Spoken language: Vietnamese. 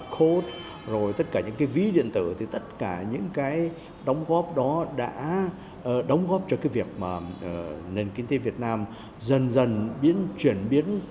các doanh nghiệp đã đồng góp cho việc nền kinh tế việt nam dần dần chuyển biến